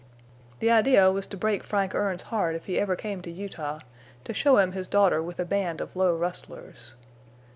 The idea was to break Frank Erne's heart if he ever came to Utah—to show him his daughter with a band of low rustlers.